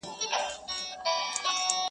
• دا حالت ښيي چي هغه له خپل فردي وجود څخه ,